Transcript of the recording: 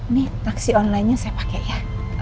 nih taksi online nya saya pakai ya